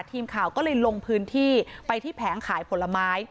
ทีมข่าวก็เลยลงพื้นที่ไปที่แผงขายผลไม้